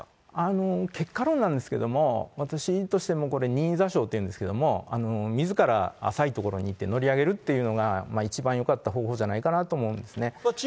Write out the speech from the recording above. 結果論なんですけれども、私としてもこれ、任意座礁というんですけれども、みずから浅い所に行って乗り上げるっていうのが、一番よかった方法じゃないかなと思うんですね。